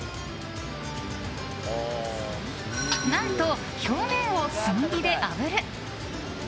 何と表面を炭火であぶる！